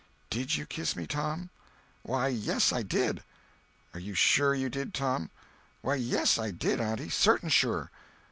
"Did you kiss me, Tom?" "Why, yes, I did." "Are you sure you did, Tom?" "Why, yes, I did, auntie—certain sure."